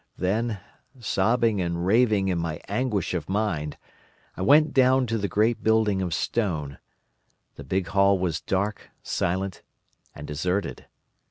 Then, sobbing and raving in my anguish of mind, I went down to the great building of stone. The big hall was dark, silent, and deserted.